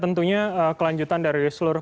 tentunya kelanjutan dari seluruh